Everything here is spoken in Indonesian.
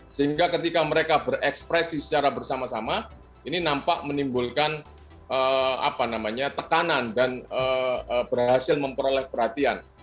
sehingga ketika mereka berekspresi secara bersama sama ini nampak menimbulkan tekanan dan berhasil memperoleh perhatian